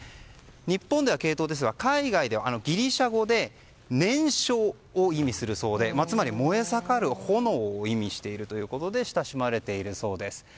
日本ではケイトウですが海外ではギリシャ語で燃焼を意味するそうで燃え盛る炎を意味して親しまれているそうです。